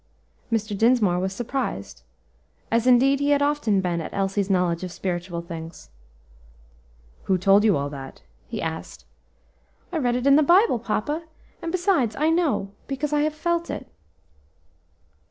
Mr. Dinsmore was surprised; as indeed he had often been at Elsie's knowledge of spiritual things. "Who told you all that?" he asked. "I read it in the Bible, papa; and besides, I know, because I have felt it."